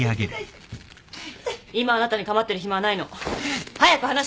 今あなたに構ってる暇はないの。早く話して！